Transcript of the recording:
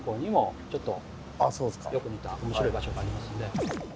よく似た面白い場所がありますので。